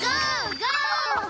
ゴー！